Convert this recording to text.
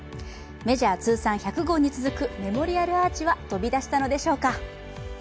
メジャー通算１００号に続くメモリアルアーチは飛び出したのでしょうか。